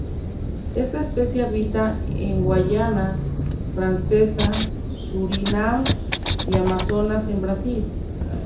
Esta especie habita en Guayana Francesa, Surinam y Amazonas en Brasil.